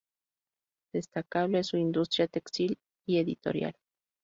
Destacable su industria textil y editorial.